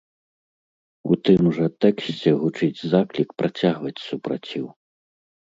У тым жа тэксце гучыць заклік працягваць супраціў.